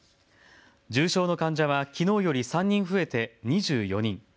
重症の患者はきのうより３人増えて２４人。